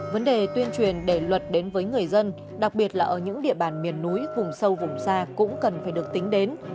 vấn đề tuyên truyền để luật đến với người dân đặc biệt là ở những địa bàn miền núi vùng sâu vùng xa cũng cần phải được tính đến